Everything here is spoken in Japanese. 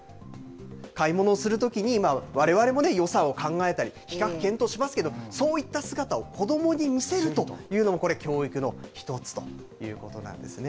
買い物をするときに、われわれも予算を考えたり、比較検討しますけど、そういった姿を子どもに見せるというのも、これ、教育の一つということなんですね。